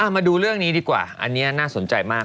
มาดูเรื่องนี้ดีกว่าอันนี้น่าสนใจมาก